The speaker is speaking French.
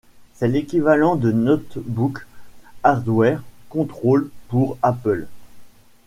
C'est l'équivalent de Notebook Hardware Control pour Apple.